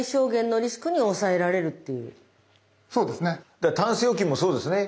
だからタンス預金もそうですね。